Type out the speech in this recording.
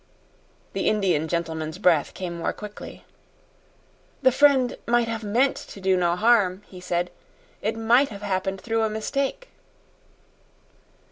The Indian gentleman's breath came more quickly. "The friend might have MEANT to do no harm," he said. "It might have happened through a mistake."